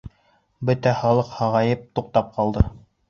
Бөтә халыҡ һағайып, туҡтап ҡалды.